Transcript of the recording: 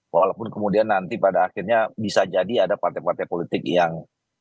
walaupun kemudian nanti pada akhirnya bisa jadi ada partai partai politik yang